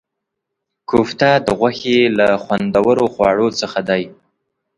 کوفته د غوښې له خوندورو خواړو څخه دی.